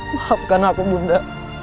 maafkan aku bunda